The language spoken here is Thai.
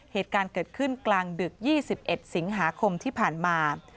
เหตุการณ์เกิดขึ้นกลางดึก๒๑สิงหาคมที่ผ่านมา